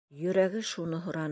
Йөрәге шуны һораны.